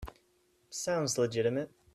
Sounds legitimate.